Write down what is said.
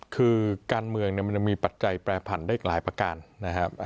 คือการเมืองมันยังมีปัจจัยแปรผันได้อีกหลายประการนะครับ